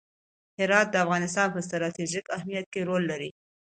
هرات د افغانستان په ستراتیژیک اهمیت کې رول لري.